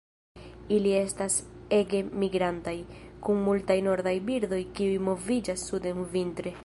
Ili estas ege migrantaj, kun multaj nordaj birdoj kiuj moviĝas suden vintre.